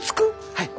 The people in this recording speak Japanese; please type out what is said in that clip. はい。